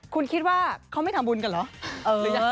คุณคิดว่าเขาไม่ทำบุญกันเหรอ